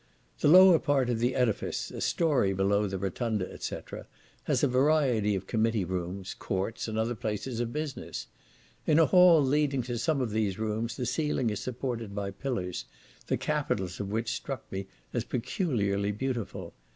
The lower part of the edifice, a story below the rotunda, &c., has a variety of committee rooms, courts, and other places of business. In a hall leading to some of these rooms, the ceiling is supported by pillars, the capitals of which struck me as peculiarly beautiful.